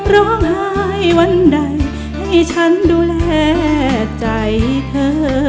ร้องไห้วันใดให้ฉันดูแลใจเธอ